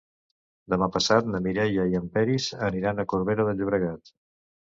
Demà passat na Mireia i en Peris aniran a Corbera de Llobregat.